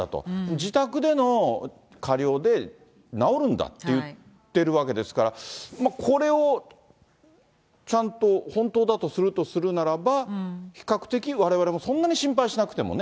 自宅での加療で治るんだって言ってるわけですから、これをちゃんと本当だとするとするならば、比較的われわれもそんなに心配しなくてもね。